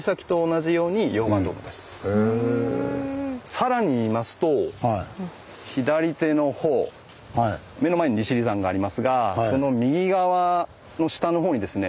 さらに言いますと左手のほう目の前に利尻山がありますがその右側の下のほうにですね